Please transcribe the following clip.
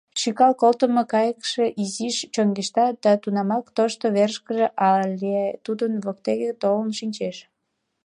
Шӱкал колтымо кайыкше изиш чоҥешта да тунамак тошто верышкыже але тудын воктеке толын шинчеш.